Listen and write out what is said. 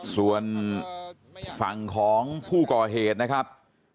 ส่วนฝั่งของผู้ก่อเหตุนะครับ